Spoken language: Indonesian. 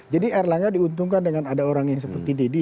jadi erlangga diuntungkan dengan ada orang yang seperti deddy